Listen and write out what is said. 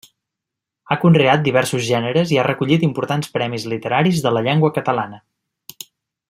Ha conreat diversos gèneres i ha recollit importants premis literaris de la llengua catalana.